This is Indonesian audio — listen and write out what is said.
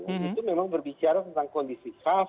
itu memang berbicara tentang kondisi self